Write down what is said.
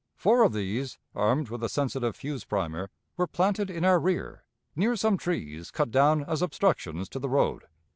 Four of these, armed with a sensitive fuse primer, were planted in our rear, near some trees cut down as obstructions to the road.